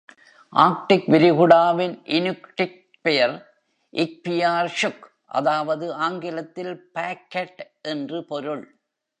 Arctic விரிகுடாவின் Inuktitut பெயர் "இக்பியார்ஜுக்", அதாவது ஆங்கிலத்தில் "பாக்கெட்" என்று பொருள்.